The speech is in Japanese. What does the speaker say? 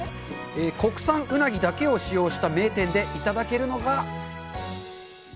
国産ウナギだけを使用した名店でいただけるのが？